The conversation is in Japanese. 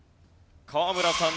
河村さん